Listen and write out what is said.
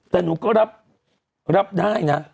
แต่หนูก็รับได้นะ